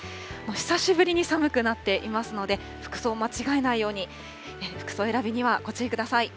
久しぶりに寒くなっていますので、服装を間違えないように、服装選びにはご注意ください。